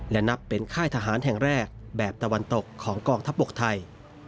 และนับเป็นค่ายทหารแห่งแรกแบบตะวันตกของกองทัพบกไทย